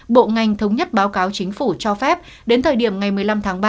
bộ ngành thống nhất báo cáo chính phủ cho phép đến thời điểm ngày một mươi năm tháng ba